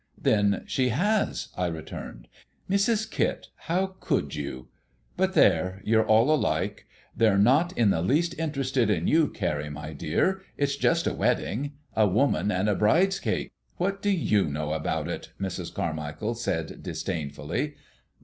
"Then she has?" I returned. "Mrs. Kit, how could you? But there you're all alike. They're not in the least interested in you, Carrie, my dear. It's just a wedding. A woman and a bridecake " "What do you know about it?" Mrs. Carmichael said disdainfully.